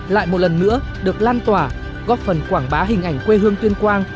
lại một lần nữa được lan tỏa góp phần quảng bá hình ảnh quê hương tuyên quang